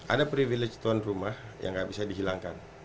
ada privilege tuan rumah yang nggak bisa dihilangkan